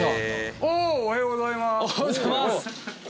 おはようございます！